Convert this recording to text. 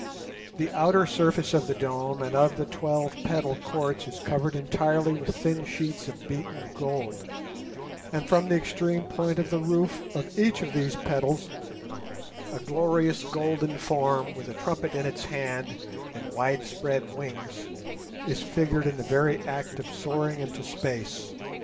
The outer surface of the dome and of the twelve petal courts is covered entirely with thin sheets of beaten gold; and from the extreme point of the roof of each of these petals a glorious golden form with a trumpet in its hand and widespread wings is figured in the very act of soaring into space.